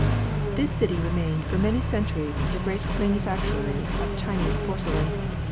This city remained for many centuries the greatest manufactory of Chinese porcelain.